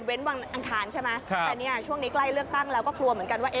วันอังคารใช่ไหมแต่เนี่ยช่วงนี้ใกล้เลือกตั้งแล้วก็กลัวเหมือนกันว่า